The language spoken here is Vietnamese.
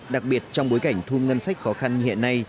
đặc biệt trong bối cảnh thu ngân sách khó khăn như hiện nay